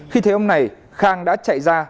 khi thấy ông này khang đã chạy ra